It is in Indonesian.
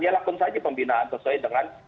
ya lakun saja pembinaan sesuai dengan